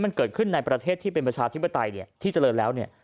มันเกิดขึ้นในประเทศที่เป็นประชาธิปไตรที่เจริญแล้ว